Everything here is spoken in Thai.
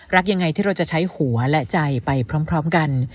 รักยังไงที่เราจะใช้หัวและใจไปพร้อมกัน